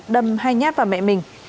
đâm hai nháp vào mẹ mình